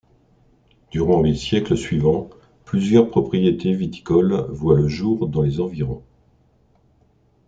Durant les siècles suivants, plusieurs propriétés viticoles voient le jour dans les environs.